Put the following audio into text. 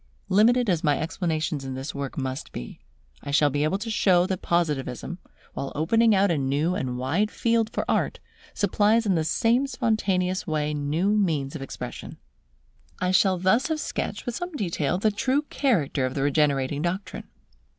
Limited as my explanations in this work must be, I shall be able to show that Positivism, while opening out a new and wide field for art, supplies in the same spontaneous way new means of expression. I shall thus have sketched with some detail the true character of the regenerating doctrine.